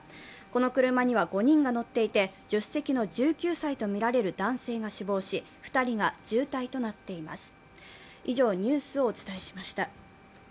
この車には５人が乗っていて、助手席の１９歳とみられる男性が死亡し２人が重体となっています。